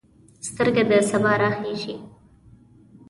سترګه د سبا راخیژې